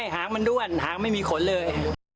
หางมันด้วนหางไม่มีขนเลย